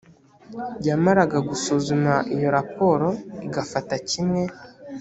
yamara gusuzuma iyo raporo igafata kimwe